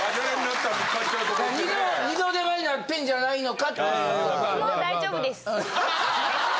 二度手間になってんじゃないのかってことでしょ。